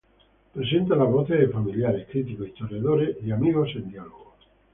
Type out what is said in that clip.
Presenta las voces de familiares, críticos, historiadores y amigos en diálogo.